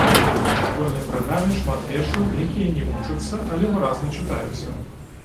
У школьнай праграме шмат вершаў, якія не вучацца, але выразна чытаюцца.